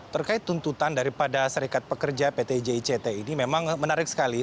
terkait tuntutan daripada serikat pekerja pt jict ini memang menarik sekali